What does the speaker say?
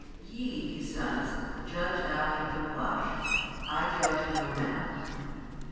YE (He says) judge after the flesh, I judge no man.